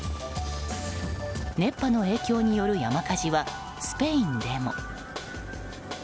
熱波の影響による山火事はスペインでも。